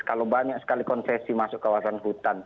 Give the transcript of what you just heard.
kalau banyak sekali konsesi masuk kawasan hutan